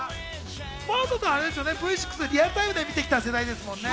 真麻さんＶ６ってリアルタイムで見てきた世代ですよね。